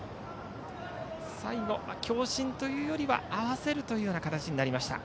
最後、強振というよりは合わせるというような形になりました。